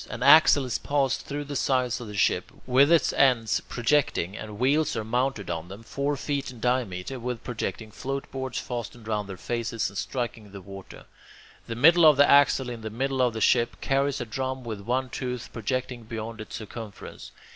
An axle is passed through the sides of the ship, with its ends projecting, and wheels are mounted on them, four feet in diameter, with projecting floatboards fastened round their faces and striking the water. The middle of the axle in the middle of the ship carries a drum with one tooth projecting beyond its circumference.